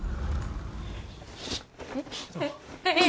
・えっ？